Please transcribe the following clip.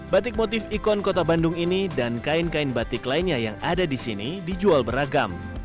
batik motif ikon kota bandung ini dan kain kain batik lainnya yang ada di sini dijual beragam